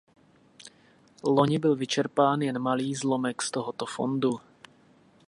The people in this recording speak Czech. Loni byl vyčerpán jen malý zlomek z tohoto fondu.